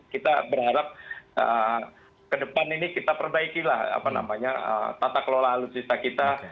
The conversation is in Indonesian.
kita berharap kedepan ini kita perbaikilah apa namanya tata kelola alutsista kita